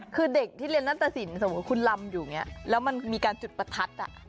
คือเด็กที่เรียนนัตตสินสมมุติคุณลำอยู่อย่างนี้แล้วมันมีการจุดประทัด